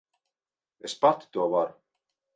Es pati to varu.